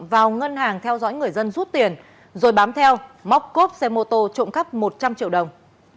vào ngân hàng theo dõi người dân rút tiền rồi bám theo móc cốp xe mô tô trộm cắp một trăm linh triệu đồng